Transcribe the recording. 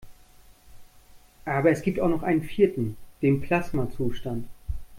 Aber es gibt auch noch einen vierten: Den Plasmazustand.